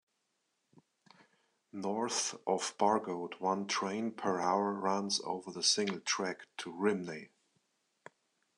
North of Bargoed, one train per hour runs over the single track to Rhymney.